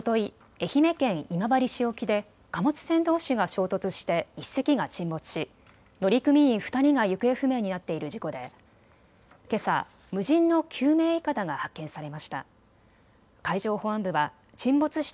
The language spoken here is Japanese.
愛媛県今治市沖で貨物船どうしが衝突して１隻が沈没し乗組員２人が行方不明になっている事故でけさ、無人の救命いかだが発見されました。